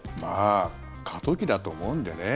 過渡期だと思うんでね。